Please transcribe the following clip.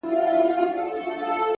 لوړ هدفونه استقامت او نظم غواړي.!